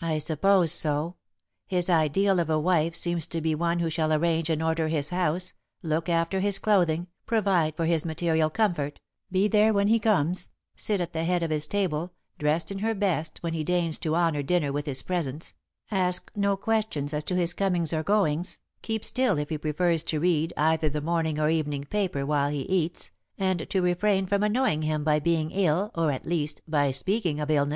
"I suppose so. His ideal of a wife seems to be one who shall arrange and order his house, look after his clothing, provide for his material comfort, be there when he comes, sit at the head of his table, dressed in her best, when he deigns to honour dinner with his presence, ask no questions as to his comings or goings, keep still if he prefers to read either the morning or evening paper while he eats, and to refrain from annoying him by being ill, or, at least, by speaking of illness.